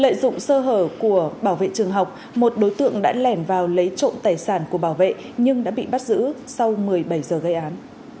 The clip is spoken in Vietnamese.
lợi dụng sơ hở của bảo vệ trường học một đối tượng đã lẻn vào lấy trộn tài sản